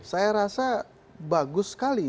saya rasa bagus sekali